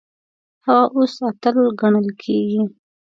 هغه اوس اتل ګڼل کیږي.